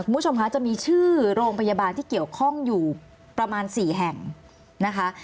คุณผู้ชมคะจะมีชื่อโรงพยาบาลที่เกี่ยวข้องอยู่ประมาณ๔แห่งนะคะ